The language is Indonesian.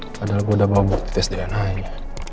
padahal gue udah bawa bukti tes dna ini